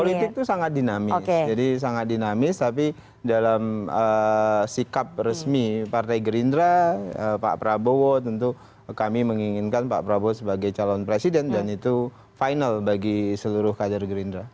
politik itu sangat dinamis jadi sangat dinamis tapi dalam sikap resmi partai gerindra pak prabowo tentu kami menginginkan pak prabowo sebagai calon presiden dan itu final bagi seluruh kader gerindra